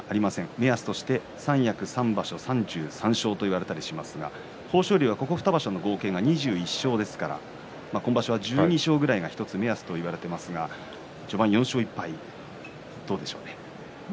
目安として三役３場所３３勝と言われたりしますが豊昇龍はここ２場所の合計が２１勝ですから今場所は１２勝ぐらいが目安といわれていますが序盤は４勝１敗、どうですかね。